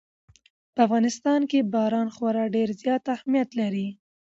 په افغانستان کې باران خورا ډېر زیات اهمیت لري.